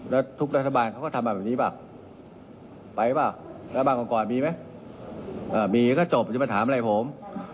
แล้วทุกรัฐบาลเขาก็ทำแบบนี้ป่ะไปป่ะรัฐบาลก่อนมีมั้ยมีก็จบจะมาถามอะไรผม